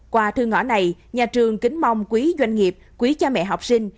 qua thư ngõ này nhà trường kính mong quý doanh nghiệp quý cha mẹ học sinh